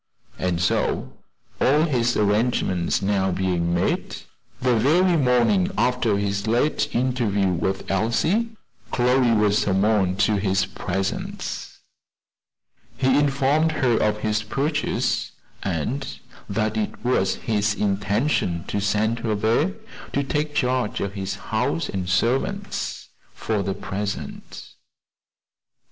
And so all his arrangements being now made the very morning after his late interview with Elsie, Chloe was summoned to his presence. He informed her of his purchase, and that it was his intention to send her there to take charge of his house and servants, for the present.